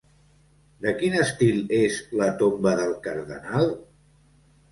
De quin estil és la tomba del Cardenal?